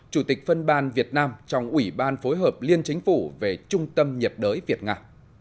chủ tịch phân ban việt nam trong ủy ban phối hợp liên chính phủ về trung tâm nhập đới việt nga